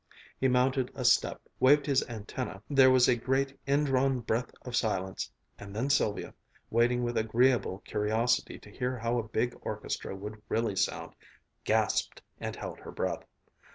He mounted a step, waved his antennae, there was a great indrawn breath of silence, and then Sylvia, waiting with agreeable curiosity to hear how a big orchestra would really sound, gasped and held her breath.